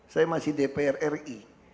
saya masih dpr ri